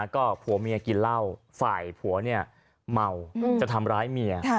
ก็ผัวเมียกินเหล้าฝ่ายผัวเนี่ยเมาจะทำร้ายเมีย